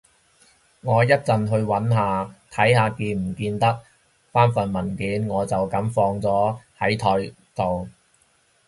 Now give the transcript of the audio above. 我一陣去搵下，睇下見唔見得返份文件，我就噉放咗喺佢枱頭